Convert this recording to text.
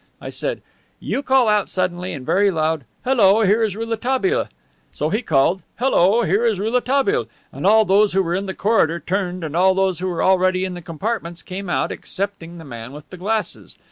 I said, 'You call out suddenly and very loud, "Hello, here is Rouletabille."' So he called, 'Hello, here is Rouletabille,' and all those who were in the corridor turned and all those who were already in the compartments came out, excepting the man with the glasses.